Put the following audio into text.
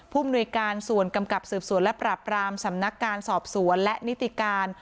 มนุยการส่วนกำกับสืบสวนและปรับรามสำนักการสอบสวนและนิติการ